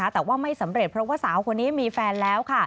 แต่ว่าไม่สำเร็จเพราะว่าสาวคนนี้มีแฟนแล้ว